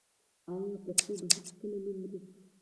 آیا پښتو به هیڅکله نه مري؟